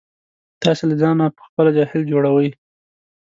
تاسې له ځانه په خپله جاهل جوړوئ.